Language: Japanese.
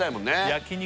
焼肉